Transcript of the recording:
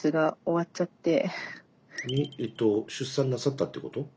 えっと出産なさったってこと？